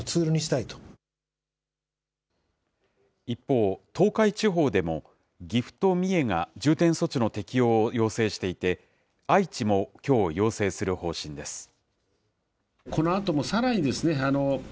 一方、東海地方でも岐阜と三重が重点措置の適用を要請していて、愛知もきょう、要請する方針です。